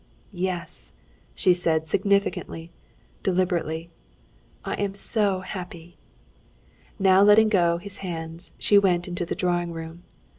"Yes!" she said significantly, deliberately. "I am so happy!" Not letting go his hands, she went into the drawing room.